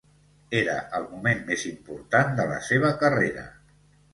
Era el moment més important de la seva carrera.